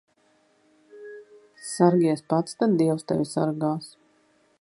Sargies pats, tad dievs tevi sargās.